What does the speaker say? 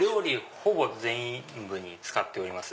ほぼ全部に使っております。